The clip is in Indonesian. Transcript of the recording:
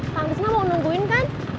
kamisnya mau nungguin kan